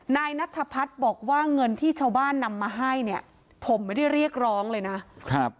นายนัทพัฒน์บอกว่าเงินที่ชาวบ้านนำมาให้เนี่ยผมไม่ได้เรียกร้องเลยนะครับ